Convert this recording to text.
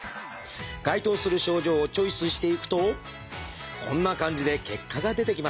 該当する症状をチョイスしていくとこんな感じで結果が出てきます。